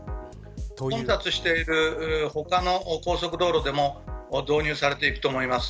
混雑している他の高速道路でも導入されていくと思います。